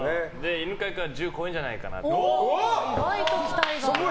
犬飼君は１０超えるんじゃないかなって。